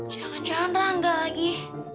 jangan jangan rangga lagi